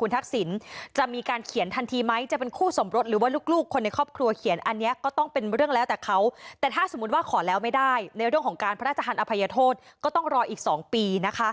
ขอแล้วไม่ได้ในเรื่องของการพระราชธรรมอภัยโทษก็ต้องรออีก๒ปีนะคะ